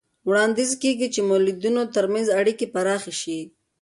وړاندیز کېږي چې د مؤلدینو ترمنځ اړیکې پراخه شي.